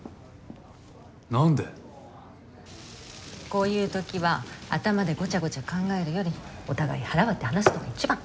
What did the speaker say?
こういう時は頭でごちゃごちゃ考えるよりお互い腹割って話すのが一番。